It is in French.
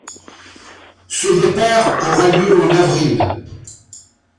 Ce départ aura lieu en avril.